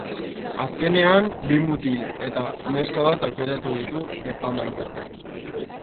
Azkenean, bi mutil eta neska bat aukeratu ditu epaimahaiak.